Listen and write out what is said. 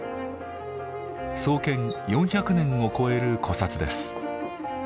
創建４００年を超える古刹です。